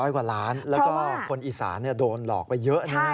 กว่าล้านแล้วก็คนอีสานโดนหลอกไปเยอะนะ